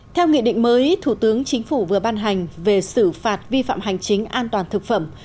theo nghị định mới thủ tướng chính phủ vừa ban hành về xử phạt vi phạm hành chính an toàn thực phẩm